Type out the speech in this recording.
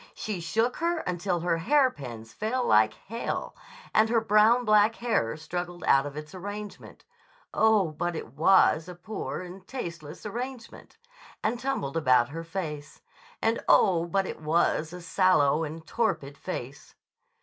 She shook her until her hairpins fell like hail and her brown black hair struggled out of its arrangement (oh, but it was a poor and tasteless arrangement!) and tumbled about her face (and, oh, but it was a sallow and torpid face!).